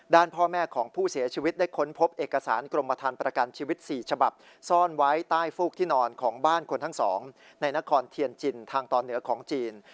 ด้านพ่อแม่ของผู้เสียชีวิตได้ค้นพบเอกสารกรมฐานประกันชีวิต๔ฉบับซ่อนไว้ใต้ฟูกที่นอนของบ้านคนทั้งสองในนครเทียนจินทางตอนเหนือของจีน